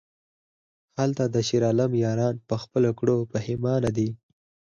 هلته د شیرعالم یاران په خپلو کړو پښیمانه دي...